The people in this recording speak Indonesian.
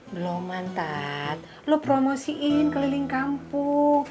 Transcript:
beloman tat lo promosiin keliling kampung